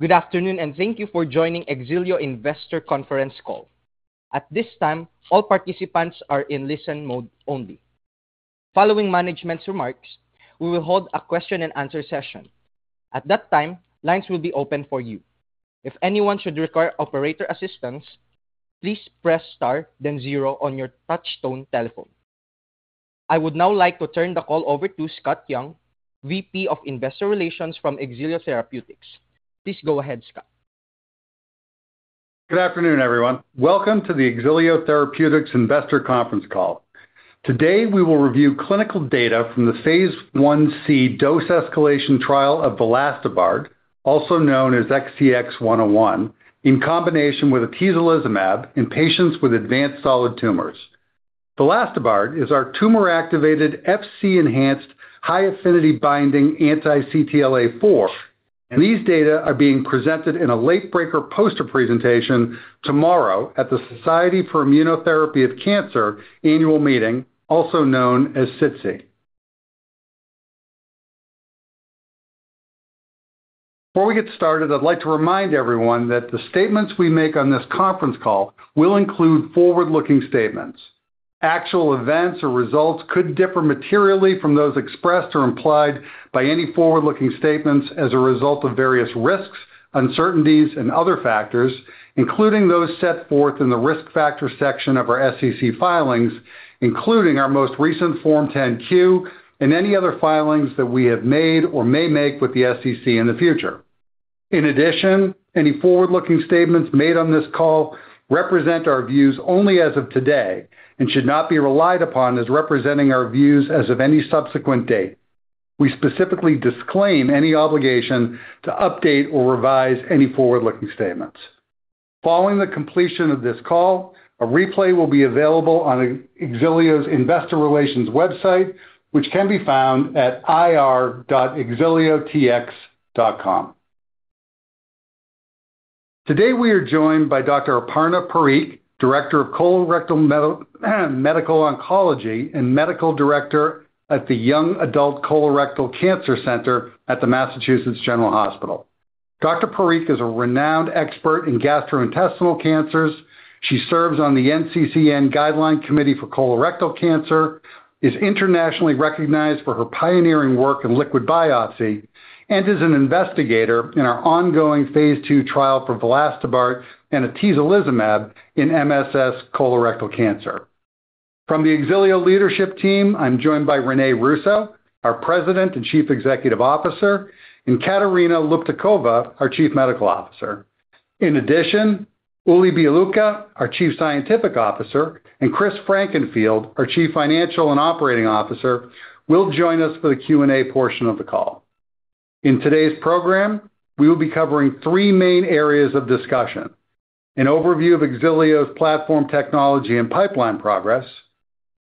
Good afternoon, and thank you for joining Xilio Investor Conference Call. At this time, all participants are in listen mode only. Following management's remarks, we will hold a question-and-answer session. At that time, lines will be open for you. If anyone should require operator assistance, please press star, then zero on your touch-tone telephone. I would now like to turn the call over to Scott Young, VP of Investor Relations from Xilio Therapeutics. Please go ahead, Scott. Good afternoon, everyone. Welcome to the Xilio Therapeutics Investor Conference Call. Today, we will review clinical data from the phase I-C dose-escalation trial of Vilastobart, also known as XTX101, in combination with atezolizumab in patients with advanced solid tumors. Vilastobart is our tumor-activated, Fc-enhanced, high-affinity-binding anti-CTLA-4, and these data are being presented in a late-breaker poster presentation tomorrow at the Society for Immunotherapy of Cancer annual meeting, also known as SITC. Before we get started, I'd like to remind everyone that the statements we make on this conference call will include forward-looking statements. Actual events or results could differ materially from those expressed or implied by any forward-looking statements as a result of various risks, uncertainties, and other factors, including those set forth in the risk factor section of our SEC filings, including our most recent Form 10-Q and any other filings that we have made or may make with the SEC in the future. In addition, any forward-looking statements made on this call represent our views only as of today and should not be relied upon as representing our views as of any subsequent date. We specifically disclaim any obligation to update or revise any forward-looking statements. Following the completion of this call, a replay will be available on Xilio's Investor Relations website, which can be found at ir.xilio-tx.com. Today, we are joined by Dr. Aparna Parikh, Director of Colorectal Medical Oncology and Medical Director at the Young Adult Colorectal Cancer Center at the Massachusetts General Hospital. Dr. Parikh is a renowned expert in gastrointestinal cancers. She serves on the NCCN Guideline Committee for Colorectal Cancer, is internationally recognized for her pioneering work in liquid biopsy, and is an investigator in our ongoing phase II trial for Vilastobart and atezolizumab in MSS colorectal cancer. From the Xilio leadership team, I'm joined by René Russo, our President and Chief Executive Officer, and Katarina Luptakova, our Chief Medical Officer. In addition, Uli Bialucha, our Chief Scientific Officer, and Chris Frankenfield, our Chief Financial and Operating Officer, will join us for the Q&A portion of the call. In today's program, we will be covering three main areas of discussion: an overview of Xilio's platform, technology, and pipeline progress,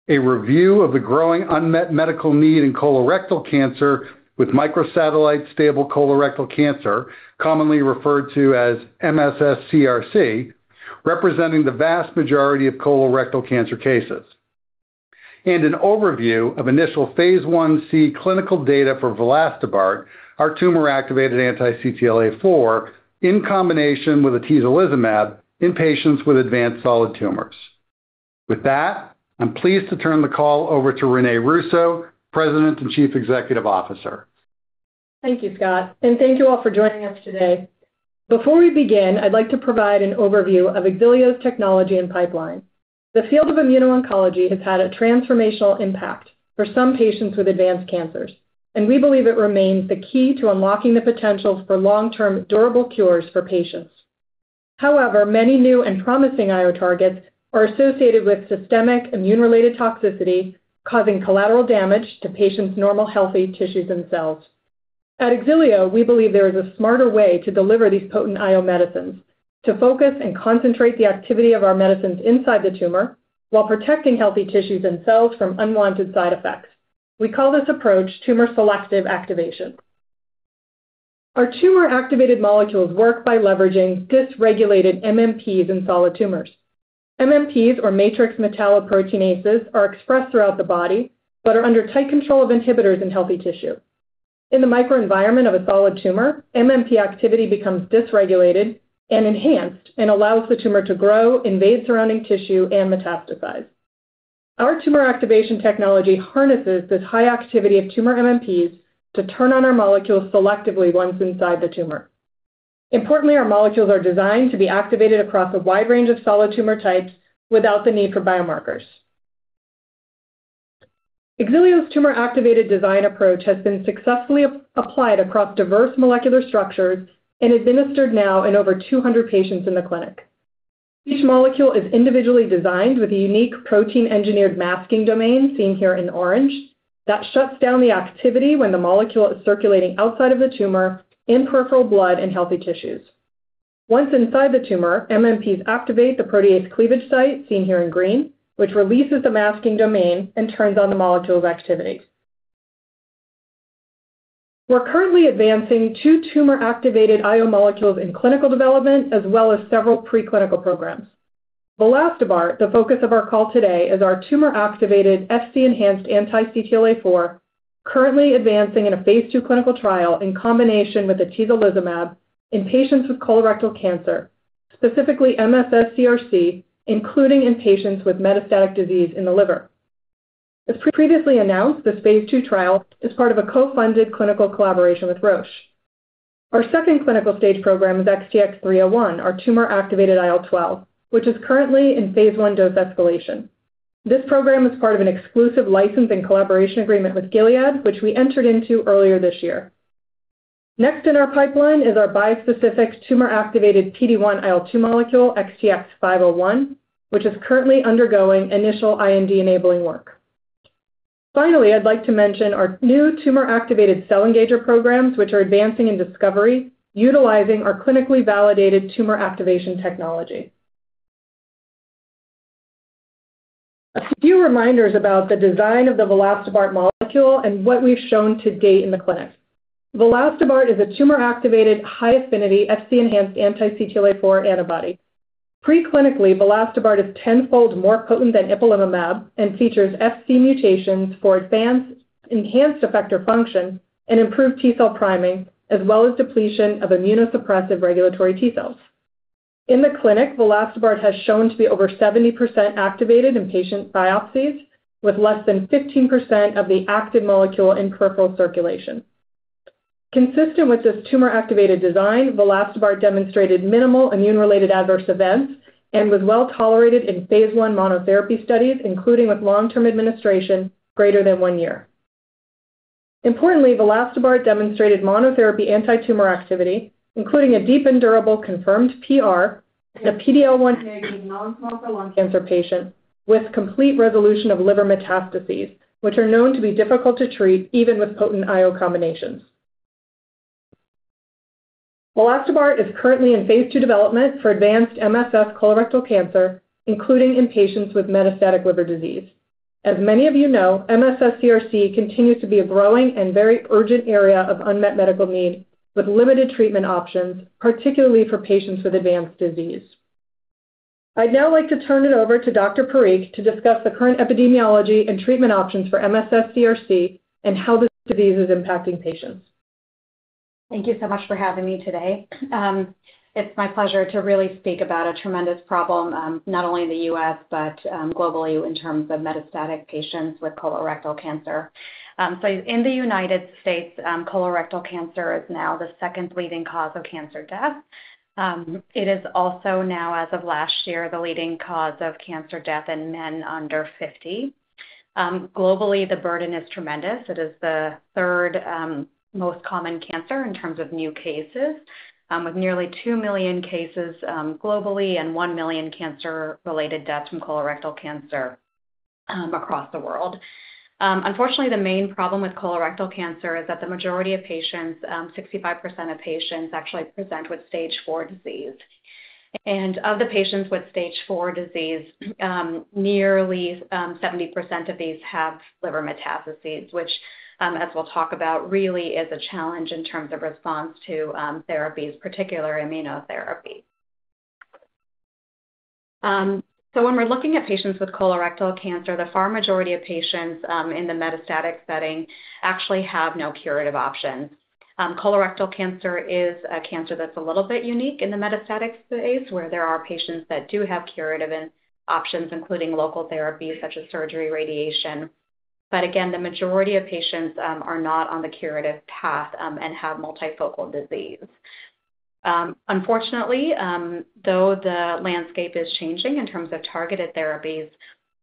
a review of the growing unmet medical need in colorectal cancer with microsatellite stable colorectal cancer, commonly referred to as MSS-CRC, representing the vast majority of colorectal cancer cases, and an overview of initial phase 1C clinical data for Velastigard, our tumor-activated anti-CTLA-4, in combination with atezolizumab in patients with advanced solid tumors. With that, I'm pleased to turn the call over to René Russo, President and Chief Executive Officer. Thank you, Scott, and thank you all for joining us today. Before we begin, I'd like to provide an overview of Xilio's technology and pipeline. The field of immuno-oncology has had a transformational impact for some patients with advanced cancers, and we believe it remains the key to unlocking the potential for long-term durable cures for patients. However, many new and promising IO targets are associated with systemic immune-related toxicity, causing collateral damage to patients' normal healthy tissues and cells. At Xilio, we believe there is a smarter way to deliver these potent IO medicines, to focus and concentrate the activity of our medicines inside the tumor while protecting healthy tissues and cells from unwanted side effects. We call this approach tumor selective activation. Our tumor-activated molecules work by leveraging dysregulated MMPs in solid tumors. MMPs, or matrix metalloproteinases, are expressed throughout the body but are under tight control of inhibitors in healthy tissue. In the microenvironment of a solid tumor, MMP activity becomes dysregulated and enhanced and allows the tumor to grow, invade surrounding tissue, and metastasize. Our tumor activation technology harnesses this high activity of tumor MMPs to turn on our molecules selectively once inside the tumor. Importantly, our molecules are designed to be activated across a wide range of solid tumor types without the need for biomarkers. Xilio's tumor-activated design approach has been successfully applied across diverse molecular structures and administered now in over 200 patients in the clinic. Each molecule is individually designed with a unique protein-engineered masking domain, seen here in orange, that shuts down the activity when the molecule is circulating outside of the tumor in peripheral blood and healthy tissues. Once inside the tumor, MMPs activate the protease cleavage site, seen here in green, which releases the masking domain and turns on the molecule's activity. We're currently advancing two tumor-activated IO molecules in clinical development, as well as several preclinical programs. Vilastobart, the focus of our call today, is our tumor-activated FC-enhanced anti-CTLA-4, currently advancing in a phase II clinical trial in combination with atezolizumab in patients with colorectal cancer, specifically MSS-CRC, including in patients with metastatic disease in the liver. As previously announced, this phase II trial is part of a co-funded clinical collaboration with Roche. Our second clinical stage program is XTX-301, our tumor-activated IL-12, which is currently in phase I dose escalation. This program is part of an exclusive license and collaboration agreement with Gilead, which we entered into earlier this year. Next in our pipeline is our bispecific tumor-activated PD-1/IL-2 molecule, XTX501, which is currently undergoing initial IND-enabling work. Finally, I'd like to mention our new tumor-activated cell engager programs, which are advancing in discovery, utilizing our clinically validated tumor activation technology. A few reminders about the design of the Velastigard molecule and what we've shown to date in the clinic. Vilastobart is a tumor-activated, high-affinity, FC-enhanced anti-CTLA-4 antibody. Preclinically, Vilastobart is tenfold more potent than ipilimumab and features Fc mutations for enhanced effector function and improved T cell priming, as well as depletion of immunosuppressive regulatory T cells. In the clinic, Vilastobart has shown to be over 70% activated in patient biopsies, with less than 15% of the active molecule in peripheral circulation. Consistent with this tumor-activated design, Vilastobart demonstrated minimal immune-related adverse events and was well tolerated in phase I monotherapy studies, including with long-term administration greater than one year. Importantly, Vilastobart demonstrated monotherapy anti-tumor activity, including a deep and durable confirmed PR in a PD-L1 negative non-small cell lung cancer patient with complete resolution of liver metastases, which are known to be difficult to treat even with potent IO combinations. Vilastobart is currently in phase II development for advanced MSS colorectal cancer, including in patients with metastatic liver disease. As many of you know, MSS-CRC continues to be a growing and very urgent area of unmet medical need with limited treatment options, particularly for patients with advanced disease. I'd now like to turn it over to Dr. Parikh to discuss the current epidemiology and treatment options for MSS-CRC and how this disease is impacting patients. Thank you so much for having me today. It's my pleasure to really speak about a tremendous problem, not only in the U.S. but globally in terms of metastatic patients with colorectal cancer. In the United States, colorectal cancer is now the second leading cause of cancer death. It is also now, as of last year, the leading cause of cancer death in men under 50. Globally, the burden is tremendous. It is the third most common cancer in terms of new cases, with nearly 2 million cases globally and 1 million cancer-related deaths from colorectal cancer across the world. Unfortunately, the main problem with colorectal cancer is that the majority of patients, 65% of patients, actually present with Stage IV disease. Of the patients with Stage IV disease, nearly 70% of these have liver metastases, which, as we'll talk about, really is a challenge in terms of response to therapies, particularly immunotherapy. When we're looking at patients with colorectal cancer, the far majority of patients in the metastatic setting actually have no curative options. Colorectal cancer is a cancer that's a little bit unique in the metastatic space, where there are patients that do have curative options, including local therapies such as surgery, radiation. Again, the majority of patients are not on the curative path and have multifocal disease. Unfortunately, though the landscape is changing in terms of targeted therapies,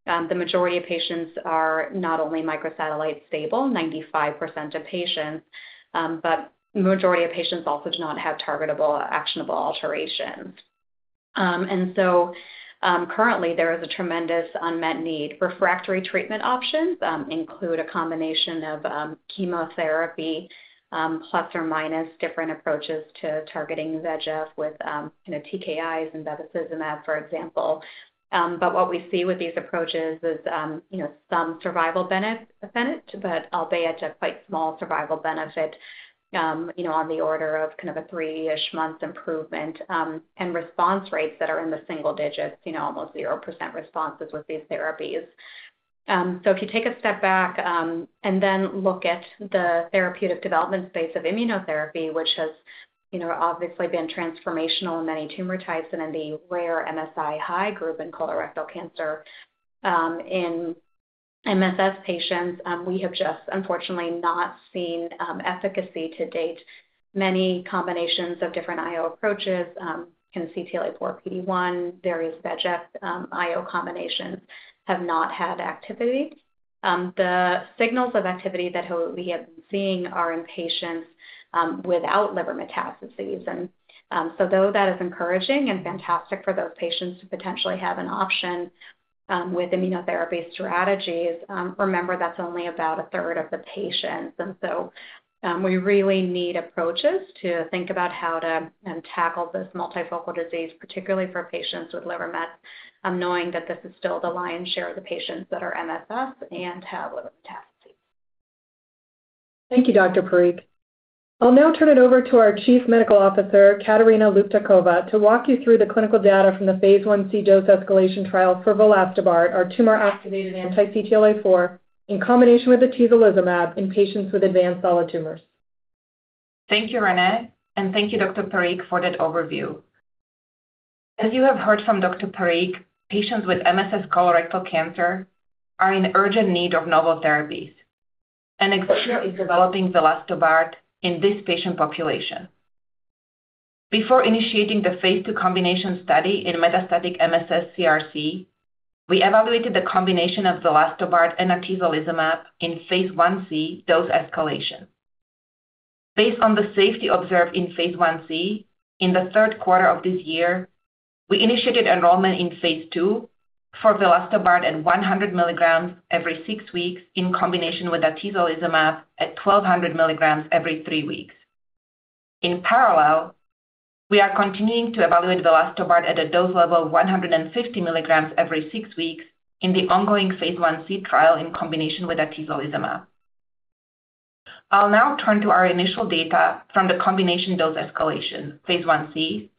the majority of patients are not only microsatellite stable, 95% of patients, but the majority of patients also do not have targetable, actionable alterations. Currently, there is a tremendous unmet need. Refractory treatment options include a combination of chemotherapy plus or minus different approaches to targeting VEGF with TKIs and bevacizumab, for example. But what we see with these approaches is some survival benefit, but albeit a quite small survival benefit on the order of kind of a three-ish month improvement and response rates that are in the single digits, almost 0% responses with these therapies. So if you take a step back and then look at the therapeutic development space of immunotherapy, which has obviously been transformational in many tumor types and in the rare MSI high group in colorectal cancer, in MSS patients, we have just, unfortunately, not seen efficacy to date. Many combinations of different IO approaches, CTLA-4 PD-1, various VEGF IO combinations have not had activity. The signals of activity that we have been seeing are in patients without liver metastases. Though that is encouraging and fantastic for those patients to potentially have an option with immunotherapy strategies, remember that's only about a third of the patients. We really need approaches to think about how to tackle this multifocal disease, particularly for patients with liver metastasis, knowing that this is still the lion's share of the patients that are MSS and have liver metastases. Thank you, Dr. Parikh. I'll now turn it over to our Chief Medical Officer, Katarina Luptakova, to walk you through the clinical data from the phase I-C dose escalation trials for Vilastobart, our tumor-activated anti-CTLA-4, in combination with atezolizumab in patients with advanced solid tumors. Thank you, Rene, and thank you, Dr. Parikh, for that overview. As you have heard from Dr. Parikh, patients with MSS colorectal cancer are in urgent need of novel therapies. And Xilio is developing Vilastobart in this patient population. Before initiating the phase II combination study in metastatic MSS-CRC, we evaluated the combination of Vilastobart and atezolizumab in phase I-C dose escalation. Based on the safety observed in phase I-C, in the third quarter of this year, we initiated enrollment in phase II for Vilastobart at 100 mg every six weeks in combination with atezolizumab at 1,200 mg every three weeks. In parallel, we are continuing to evaluate Vilastobart at a dose level of 150 mg every six weeks in the ongoing phase I-C trial in combination with atezolizumab. I'll now turn to our initial data from the combination dose escalation, phase I-C,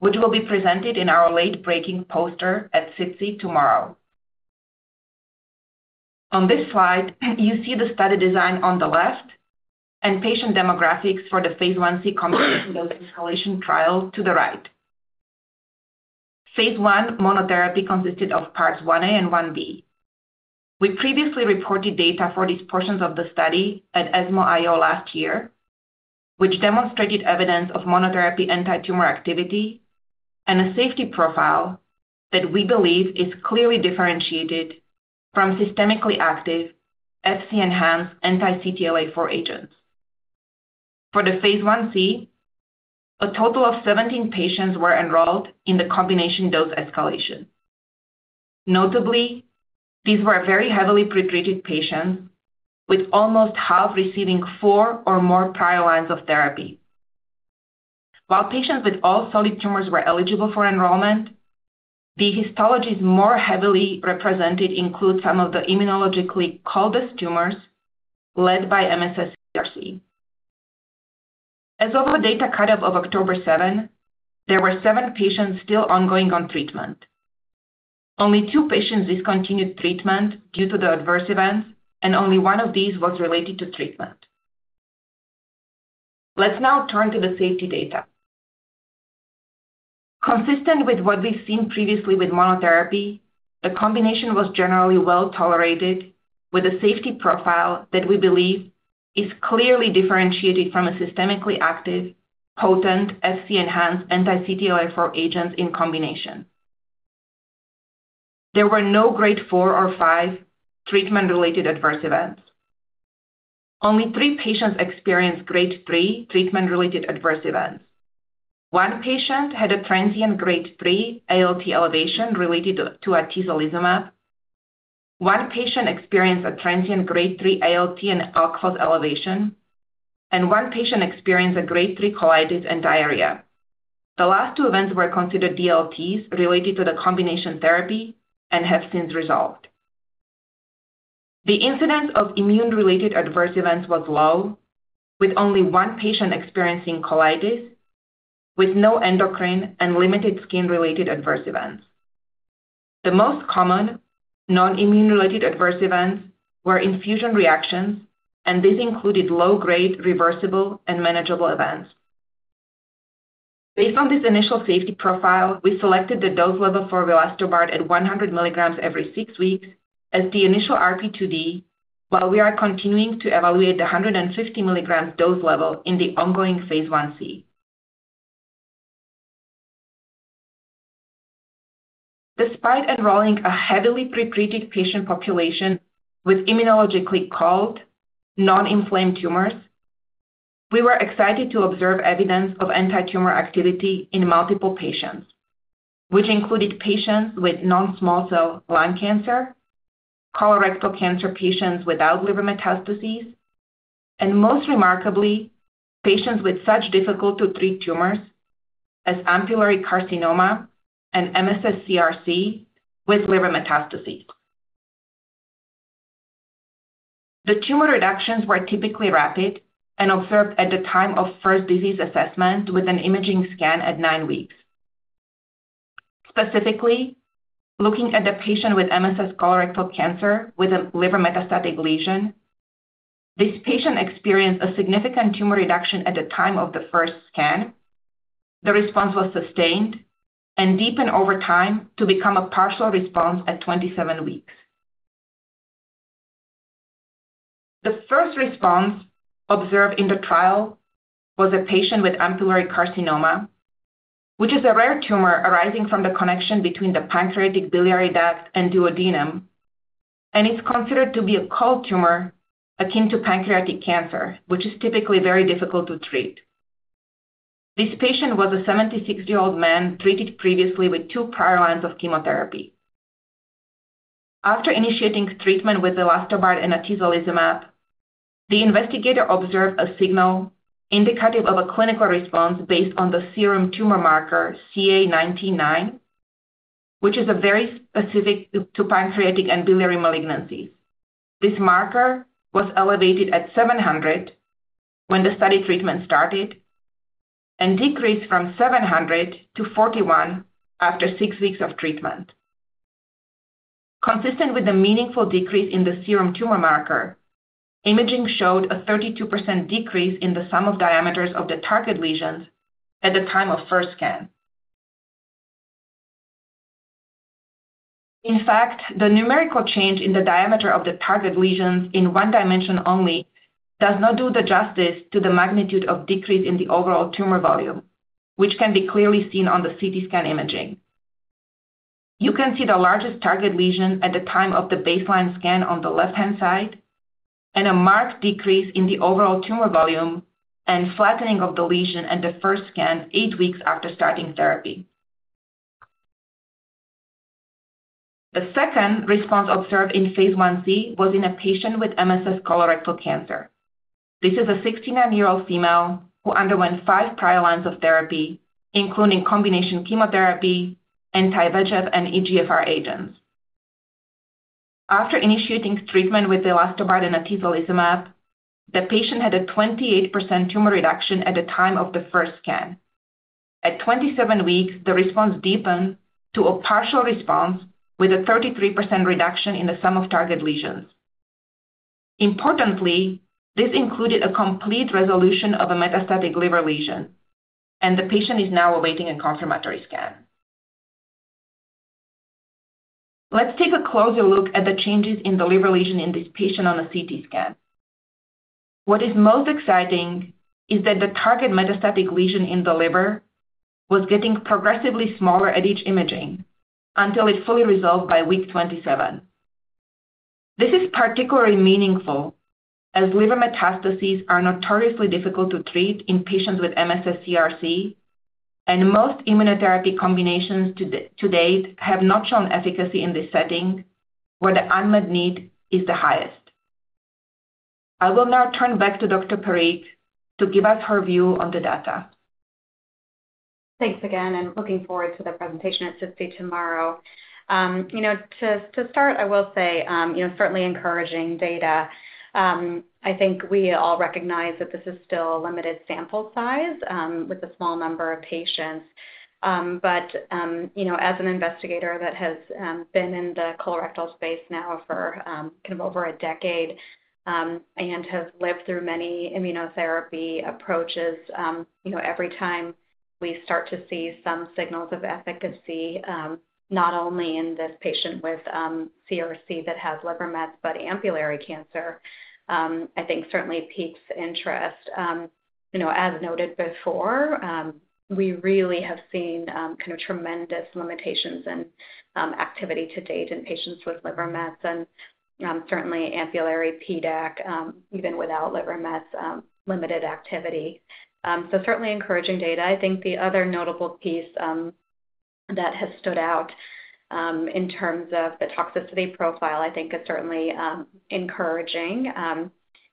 which will be presented in our late-breaking poster at SITC tomorrow. On this slide, you see the study design on the left and patient demographics for the phase I-C combination dose escalation trial to the right. Phase I monotherapy consisted of parts 1A and 1B. We previously reported data for these portions of the study at ESMO IO last year, which demonstrated evidence of monotherapy anti-tumor activity and a safety profile that we believe is clearly differentiated from systemically active FC-enhanced anti-CTLA-4 agents. For the phase I-C, a total of 17 patients were enrolled in the combination dose escalation. Notably, these were very heavily pretreated patients, with almost half receiving four or more prior lines of therapy. While patients with all solid tumors were eligible for enrollment, the histologies more heavily represented include some of the immunologically coldest tumors led by MSS-CRC. As of the data cut-out of October 7, there were seven patients still ongoing on treatment. Only two patients discontinued treatment due to the adverse events, and only one of these was related to treatment. Let's now turn to the safety data. Consistent with what we've seen previously with monotherapy, the combination was generally well tolerated, with a safety profile that we believe is clearly differentiated from a systemically active, potent FC-enhanced anti-CTLA-4 agent in combination. There were no grade 4 or 5 treatment-related adverse events. Only three patients experienced grade 3 treatment-related adverse events. One patient had a transient grade 3 ALT elevation related to atezolizumab. One patient experienced a transient grade 3 ALT and alkali elevation. One patient experienced a grade 3 colitis and diarrhea. The last two events were considered DLTs related to the combination therapy and have since resolved. The incidence of immune-related adverse events was low, with only one patient experiencing colitis, with no endocrine and limited skin-related adverse events. The most common non-immune-related adverse events were infusion reactions, and these included low-grade, reversible, and manageable events. Based on this initial safety profile, we selected the dose level for Vilastobart at 100 mg every six weeks as the initial RP2D, while we are continuing to evaluate the 150 mg dose level in the ongoing Phase I-C. Despite enrolling a heavily pretreated patient population with immunologically cold, non-inflamed tumors, we were excited to observe evidence of anti-tumor activity in multiple patients, which included patients with non-small cell lung cancer, colorectal cancer patients without liver metastases, and most remarkably, patients with such difficult-to-treat tumors as ampullary carcinoma and MSS-CRC with liver metastases. The tumor reductions were typically rapid and observed at the time of first disease assessment with an imaging scan at nine weeks. Specifically, looking at the patient with MSS colorectal cancer with a liver metastatic lesion, this patient experienced a significant tumor reduction at the time of the first scan. The response was sustained and deepened over time to become a partial response at 27 weeks. The first response observed in the trial was a patient with ampullary carcinoma, which is a rare tumor arising from the connection between the pancreatic biliary duct and duodenum, and it's considered to be a cold tumor akin to pancreatic cancer, which is typically very difficult to treat. This patient was a 76-year-old man treated previously with two prior lines of chemotherapy. After initiating treatment with Vilastobart and atezolizumab, the investigator observed a signal indicative of a clinical response based on the serum tumor marker CA 19-9, which is very specific to pancreatic and biliary malignancies. This marker was elevated at 700 when the study treatment started and decreased from 700 to 41 after six weeks of treatment. Consistent with the meaningful decrease in the serum tumor marker, imaging showed a 32% decrease in the sum of diameters of the target lesions at the time of first scan. In fact, the numerical change in the diameter of the target lesions in one dimension only does not do justice to the magnitude of decrease in the overall tumor volume, which can be clearly seen on the CT scan imaging. You can see the largest target lesion at the time of the baseline scan on the left-hand side and a marked decrease in the overall tumor volume and flattening of the lesion at the first scan eight weeks after starting therapy. The second response observed in phase I-C was in a patient with MSS colorectal cancer. This is a 69-year-old female who underwent five prior lines of therapy, including combination chemotherapy, anti-VEGF, and EGFR agents. After initiating treatment with Vilastobart and atezolizumab, the patient had a 28% tumor reduction at the time of the first scan. At 27 weeks, the response deepened to a partial response with a 33% reduction in the sum of target lesions. Importantly, this included a complete resolution of a metastatic liver lesion, and the patient is now awaiting a confirmatory scan. Let's take a closer look at the changes in the liver lesion in this patient on the CT scan. What is most exciting is that the target metastatic lesion in the liver was getting progressively smaller at each imaging until it fully resolved by week 27. This is particularly meaningful as liver metastases are notoriously difficult to treat in patients with MSS-CRC, and most immunotherapy combinations to date have not shown efficacy in this setting, where the unmet need is the highest. I will now turn back to Dr. Parikh to give us her view on the data. Thanks again, and looking forward to the presentation at SITC tomorrow. To start, I will say certainly encouraging data. I think we all recognize that this is still a limited sample size with a small number of patients. As an investigator that has been in the colorectal space now for kind of over a decade and has lived through many immunotherapy approaches, every time we start to see some signals of efficacy, not only in this patient with CRC that has liver metastasis, but ampullary cancer, I think certainly piques interest. As noted before, we really have seen kind of tremendous limitations in activity to date in patients with liver metastasis, and certainly ampullary PDAC, even without liver metastasis, limited activity. Certainly encouraging data. I think the other notable piece that has stood out in terms of the toxicity profile, I think, is certainly encouraging.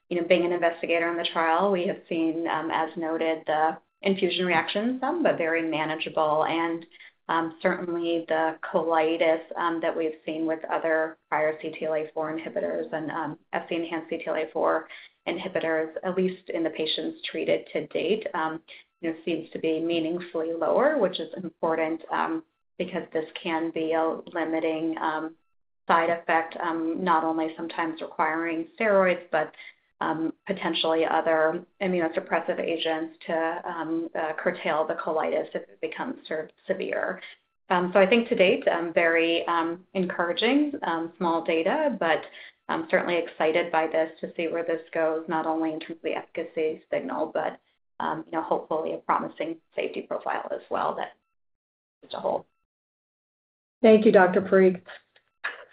Being an investigator in the trial, we have seen, as noted, the infusion reactions, some but very manageable. And certainly the colitis that we've seen with other prior CTLA-4 inhibitors and FC-enhanced CTLA-4 inhibitors, at least in the patients treated to date, seems to be meaningfully lower, which is important because this can be a limiting side effect, not only sometimes requiring steroids, but potentially other immunosuppressive agents to curtail the colitis if it becomes severe. So I think to date, very encouraging small data, but certainly excited by this to see where this goes, not only in terms of the efficacy signal, but hopefully a promising safety profile as well that is to hold. Thank you, Dr. Parikh.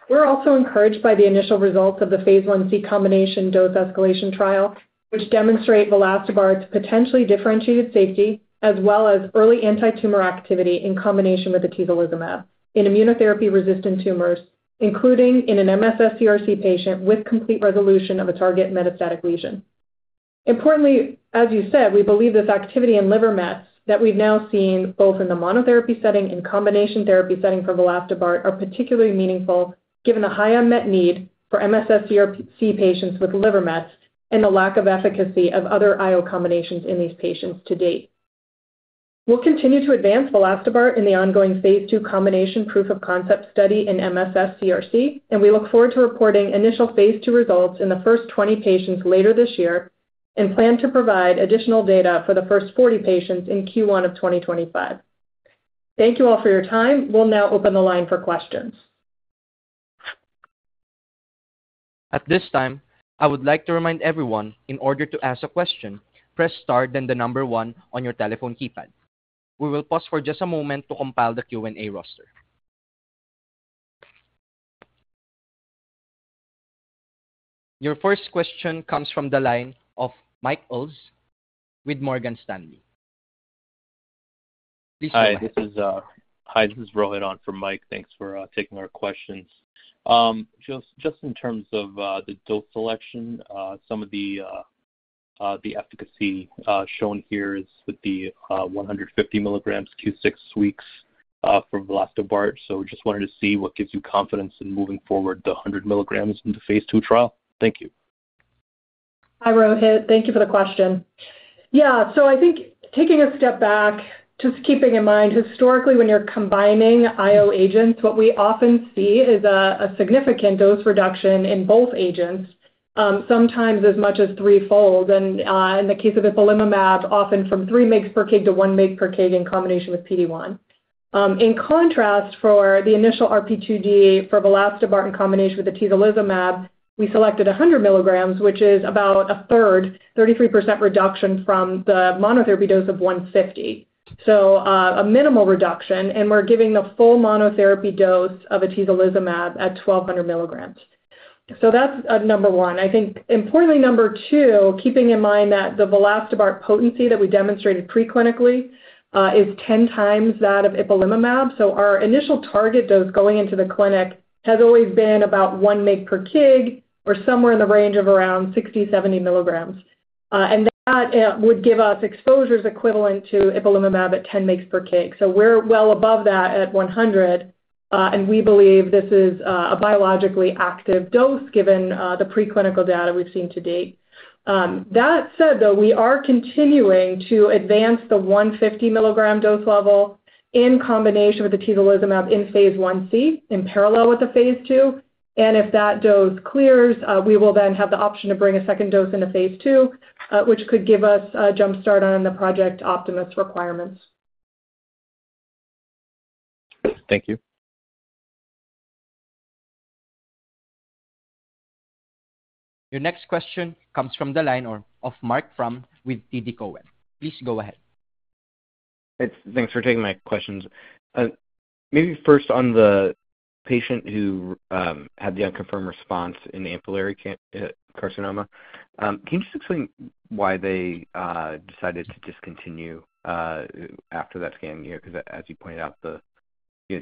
We're also encouraged by the initial results of the phase I-C combination dose escalation trial, which demonstrate Vilastobart‘s potentially differentiated safety as well as early anti-tumor activity in combination with atezolizumab in immunotherapy-resistant tumors, including in an MSS-CRC patient with complete resolution of a target metastatic lesion. Importantly, as you said, we believe this activity in liver metastases that we've now seen both in the monotherapy setting and combination therapy setting for Vilastobart are particularly meaningful, given the high unmet need for MSS-CRC patients with liver metastases and the lack of efficacy of other IO combinations in these patients to date. We'll continue to advance Vilastobart in the ongoing phase II combination proof of concept study in MSS-CRC, and we look forward to reporting initial phase II results in the first 20 patients later this year and plan to provide additional data for the first 40 patients in Q1 of 2025. Thank you all for your time. We'll now open the line for questions. At this time, I would like to remind everyone, in order to ask a question, press star, then the number one on your telephone keypad. We will pause for just a moment to compile the Q&A roster. Your first question comes from the line of Michael Ulz with Morgan Stanley. Please go ahead. Hi, this is Rohit from Mike. Thanks for taking our questions. Just in terms of the dose selection, some of the efficacy shown here is with the 150 mg for six weeks for Vilastobart. So just wanted to see what gives you confidence in moving forward to 100 mg in the phase II trial? Thank you. Hi, Rohit. Thank you for the question. Yeah, so I think taking a step back, just keeping in mind, historically, when you're combining IO agents, what we often see is a significant dose reduction in both agents, sometimes as much as threefold, and in the case of ipilimumab, often from 3 mg/kg to 1 mg/kg in combination with PD-1. In contrast, for the initial RP2D for Vilastobart in combination with atezolizumab, we selected 100 mg, which is about 1/3, 33% reduction from the monotherapy dose of 150, so a minimal reduction, and we're giving the full monotherapy dose of atezolizumab at 1,200 mg, so that's number one. I think, importantly, number two, keeping in mind that the Vilastobart potency that we demonstrated preclinically is 10x that of ipilimumab. Our initial target dose going into the clinic has always been about 1 mg/kg or somewhere in the range of around 60 mg-70 mg. That would give us exposures equivalent to ipilimumab at 10 mg/kg. We're well above that at 100, and we believe this is a biologically active dose given the preclinical data we've seen to date. That said, though, we are continuing to advance the 150 mg dose level in combination with atezolizumab in phase I-C in parallel with the phase II. If that dose clears, we will then have the option to bring a second dose into phase II, which could give us a jumpstart on the Project Optimus requirements. Thank you. Your next question comes from the line of Marc Frahm with TD Cowen. Please go ahead. Thanks for taking my questions. Maybe first on the patient who had the unconfirmed response in ampullary carcinoma, can you just explain why they decided to discontinue after that scan? Because as you pointed out, the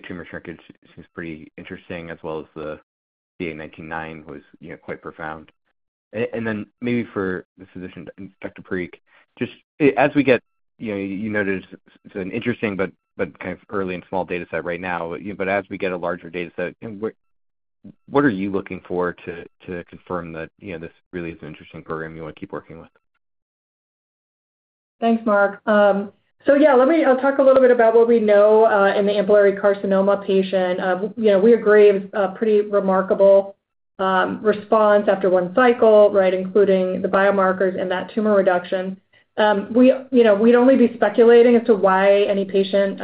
tumor shrinkage seems pretty interesting, as well as the CA 19-9 was quite profound. And then maybe for the physician, Dr. Parikh, just as we get, you noted it's an interesting but kind of early and small data set right now, but as we get a larger data set, what are you looking for to confirm that this really is an interesting program you want to keep working with? Thanks, Marc. So yeah, I'll talk a little bit about what we know in the ampullary carcinoma patient. We agree it was a pretty remarkable response after one cycle, including the biomarkers and that tumor reduction. We'd only be speculating as to why any patient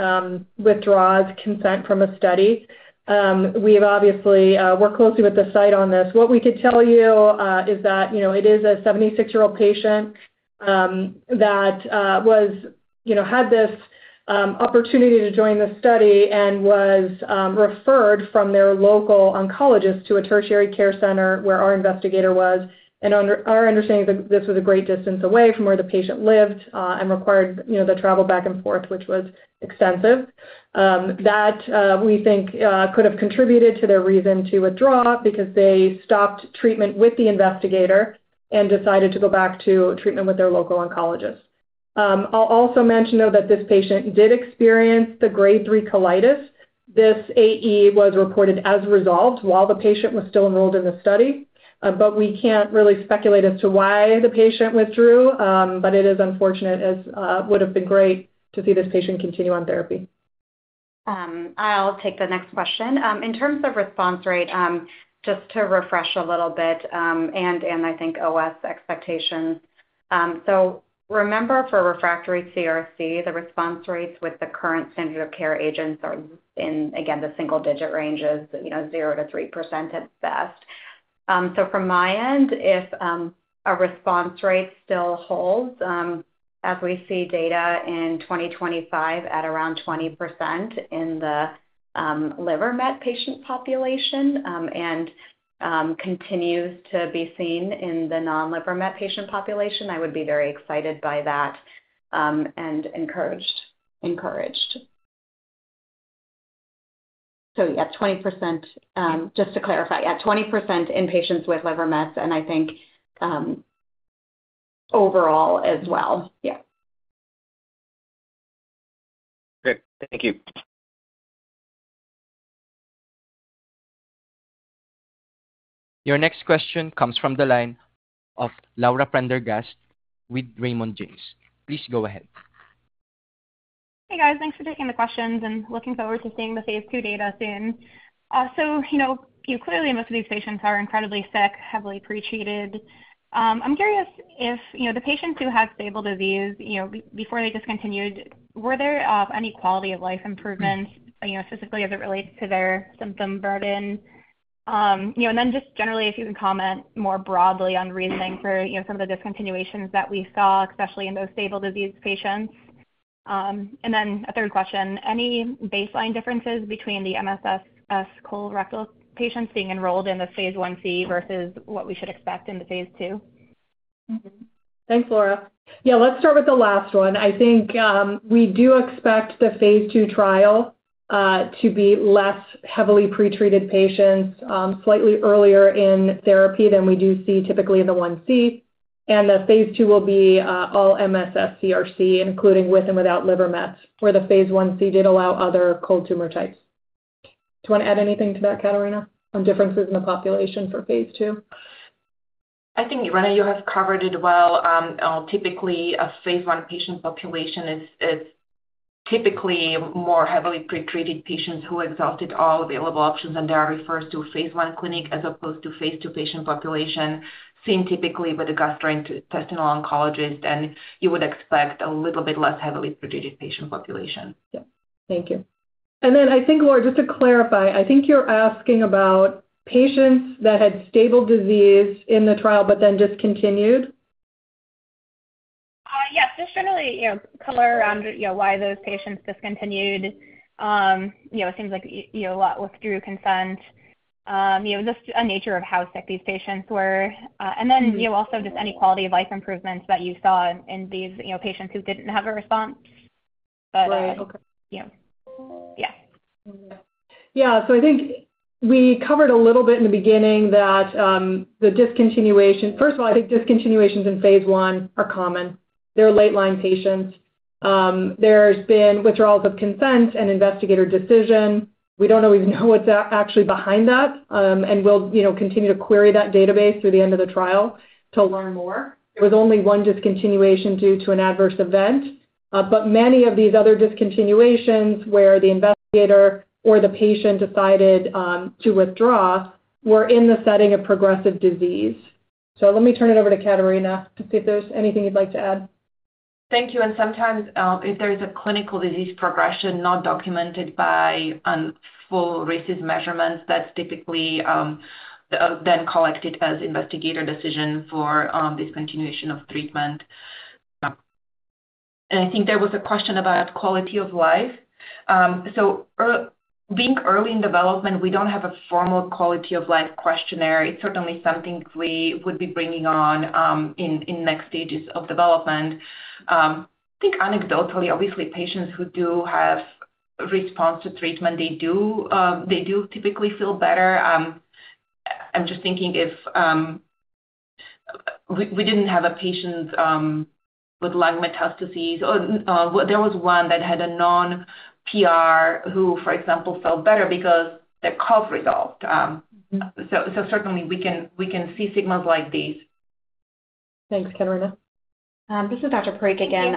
withdraws consent from a study. We've obviously worked closely with the site on this. What we could tell you is that it is a 76-year-old patient that had this opportunity to join the study and was referred from their local oncologist to a tertiary care center where our investigator was. And our understanding is that this was a great distance away from where the patient lived and required the travel back and forth, which was extensive. That we think could have contributed to their reason to withdraw because they stopped treatment with the investigator and decided to go back to treatment with their local oncologist. I'll also mention, though, that this patient did experience the grade 3 colitis. This AE was reported as resolved while the patient was still enrolled in the study, but we can't really speculate as to why the patient withdrew. But it is unfortunate, as it would have been great to see this patient continue on therapy. I'll take the next question. In terms of response rate, just to refresh a little bit, and I think OS expectations. So remember, for refractory CRC, the response rates with the current standard of care agents are in, again, the single-digit ranges, 0%-3% at best. So from my end, if a response rate still holds, as we see data in 2025 at around 20% in the liver metastasis patient population and continues to be seen in the non-liver metastasis patient population, I would be very excited by that and encouraged. So yeah, 20%, just to clarify, yeah, 20% in patients with liver metastasis, and I think overall as well. Yeah. Great. Thank you. Your next question comes from the line of Laura Prendergast with Raymond James. Please go ahead. Hey, guys. Thanks for taking the questions, and looking forward to seeing the phase II data soon. So clearly, most of these patients are incredibly sick, heavily pretreated. I'm curious if the patients who had stable disease, before they discontinued, were there any quality of life improvements, specifically as it relates to their symptom burden? And then just generally, if you can comment more broadly on reasoning for some of the discontinuations that we saw, especially in those stable disease patients. And then a third question, any baseline differences between the MSS colorectal patients being enrolled in the phase I-C versus what we should expect in the phase II? Thanks, Laura. Yeah, let's start with the last one. I think we do expect the phase II trial to be less heavily pretreated patients, slightly earlier in therapy than we do see typically in the phase I-C, and the phase II will be all MSS-CRC, including with and without liver metastasis, where the phase I-C did allow other cold tumor types. Do you want to add anything to that, Katarina, on differences in the population for phase II? I think, Rene, you have covered it well. Typically, a phase I patient population is typically more heavily pretreated patients who exhausted all available options, and they are referred to a phase I clinic as opposed to phase II patient population seen typically with a gastrointestinal oncologist, and you would expect a little bit less heavily pretreated patient population. Yeah. Thank you. And then I think, Laura, just to clarify, I think you're asking about patients that had stable disease in the trial but then discontinued. Yes. Just generally color around why those patients discontinued. It seems like a lot withdrew consent. Just a nature of how sick these patients were, and then also just any quality of life improvements that you saw in these patients who didn't have a response, but yeah. Yeah. So I think we covered a little bit in the beginning that the discontinuation first of all, I think discontinuations in phase I are common. They're late-line patients. There's been withdrawals of consent and investigator decision. We don't always know what's actually behind that, and we'll continue to query that database through the end of the trial to learn more. There was only one discontinuation due to an adverse event, but many of these other discontinuations where the investigator or the patient decided to withdraw were in the setting of progressive disease. So let me turn it over to Katarina to see if there's anything you'd like to add. Thank you. And sometimes if there's a clinical disease progression not documented by full RECIST measurements, that's typically then collected as investigator decision for discontinuation of treatment. And I think there was a question about quality of life. So being early in development, we don't have a formal quality of life questionnaire. It's certainly something we would be bringing on in next stages of development. I think anecdotally, obviously, patients who do have response to treatment, they do typically feel better. I'm just thinking if we didn't have a patient with lung metastasis, or there was one that had a non-PR who, for example, felt better because the cough resolved. So certainly, we can see signals like these. Thanks, Katarina. This is Dr. Parikh again.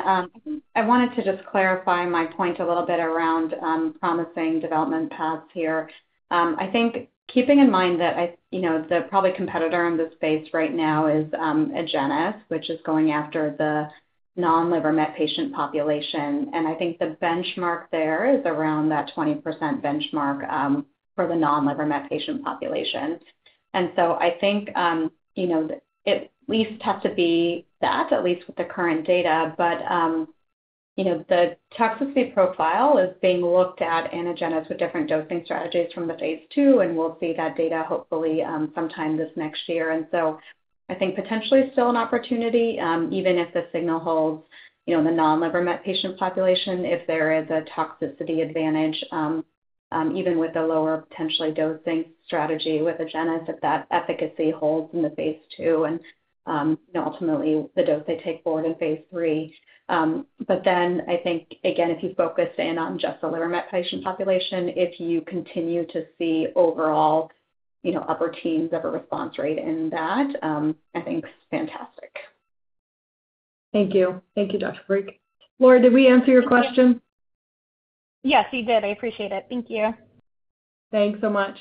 I wanted to just clarify my point a little bit around promising development paths here. I think keeping in mind that the probably competitor in this space right now is Agenus, which is going after the non-liver metastasis patient population, and I think the benchmark there is around that 20% benchmark for the non-liver metastasis patient population, and so I think it at least has to be that, at least with the current data, but the toxicity profile is being looked at in Agenus with different dosing strategies from the phase II, and we'll see that data hopefully sometime this next year. And so I think potentially still an opportunity, even if the signal holds in the non-liver metastasis patient population, if there is a toxicity advantage, even with a lower potentially dosing strategy with Agenus, if that efficacy holds in the phase II and ultimately the dose they take forward in phase III. But then I think, again, if you focus in on just the liver metastasis patient population, if you continue to see overall upper teens of a response rate in that, I think it's fantastic. Thank you. Thank you, Dr. Parikh. Laura, did we answer your question? Yes, you did. I appreciate it. Thank you. Thanks so much.